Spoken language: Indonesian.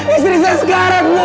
istri saya sekarang bu